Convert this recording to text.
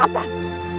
mau sampai kapan